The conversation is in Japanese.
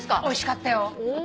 おいしかったよ。